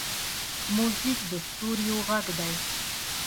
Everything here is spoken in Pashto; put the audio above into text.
موزیک د ستوریو غږ دی.